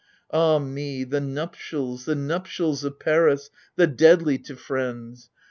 Ah me, the nuptials, the nuptials of Paris, the deadly to friends